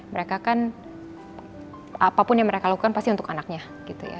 mereka kan apapun yang mereka lakukan pasti untuk anaknya gitu ya